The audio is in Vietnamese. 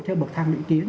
theo bậc thang lựa kiến